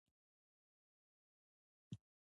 غور په تاریخي کتابونو کې د غرجستان په نوم هم یاد شوی دی